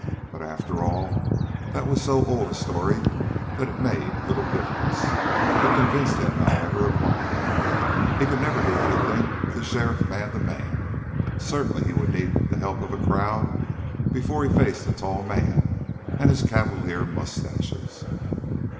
But, after all, that was so old a story that it made little difference. It convinced him, however, of one thing; he could never do anything with the sheriff man to man. Certainly he would need the help of a crowd before he faced the tall man and his cavalier mustaches.